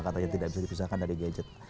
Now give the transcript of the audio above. katanya tidak bisa dipisahkan dari gadget